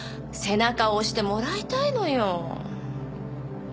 背中を押してもらいたいのよ。